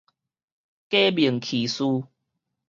假面騎士